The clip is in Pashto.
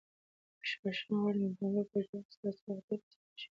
بښنه غواړم که د جملو په اوږدوالي کې ستاسو وخت ډېر مصرف شوی وي.